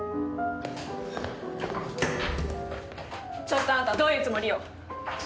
ちょっとあんたどういうつもりよ？